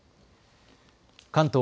関東